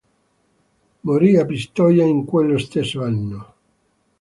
Morì a Pistoia in quello stesso anno.